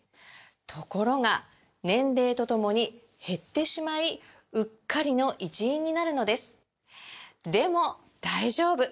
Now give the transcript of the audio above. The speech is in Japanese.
ところが年齢とともに減ってしまいうっかりの一因になるのですでも大丈夫！